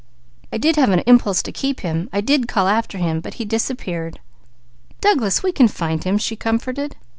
I did have an impulse to keep him. I did call after him. But he disappeared." "Douglas, we can find him!" she comforted.